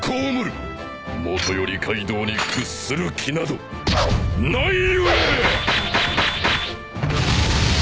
もとよりカイドウに屈する気などない故！！